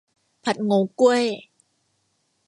ผัดโหงวก้วย